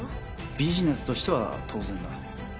ビジネスとしては当然だ。